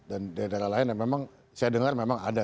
dan dari daerah lain memang saya dengar memang ada